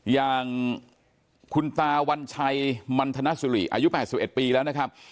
อย่างคุณตาวัญชัยมันธนสุริอายุ๘๑ปีแล้วนะครับ